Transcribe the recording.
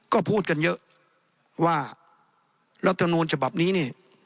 ก็พูดกันเยอะว่ารัฐมนูลฉบับนี้เนี่ย